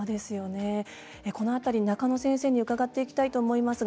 この辺り、中野先生に伺っていきたいと思います。